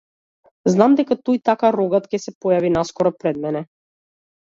Знам дека тој така рогат ќе се појави наскоро пред мене.